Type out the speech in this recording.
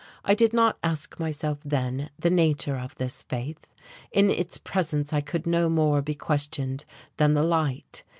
I did not ask myself, then, the nature of this faith. In its presence it could no more be questioned than the light.